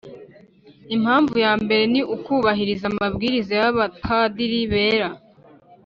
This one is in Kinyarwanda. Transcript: impamvu ya mbere ni ukubahiriza amabwiriza y'abapadiri bera.